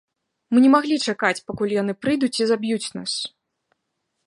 Мы не маглі чакаць, пакуль яны прыйдуць і заб'юць нас.